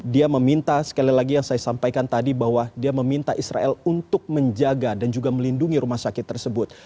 dia meminta sekali lagi yang saya sampaikan tadi bahwa dia meminta israel untuk menjaga dan juga melindungi rumah sakit tersebut